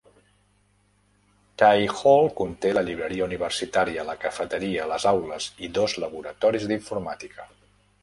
Tyee Hall conté la llibreria universitària, la cafeteria, les aules i dos laboratoris d'informàtica.